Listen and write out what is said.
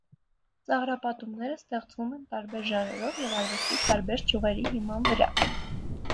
Ծաղրապատումները ստեղծվում են տարբեր ժանրերով և արվեստի տարբեր ճյուղերի հիման վրա։